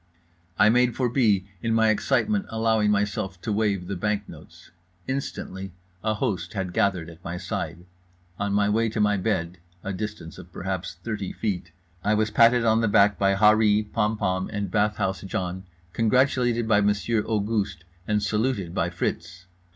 I made for B., in my excitement allowing myself to wave the bank notes. Instantly a host had gathered at my side. On my way to my bed—a distance of perhaps thirty feet—I was patted on the back by Harree, Pompom and Bathhouse John, congratulated by Monsieur Auguste, and saluted by Fritz.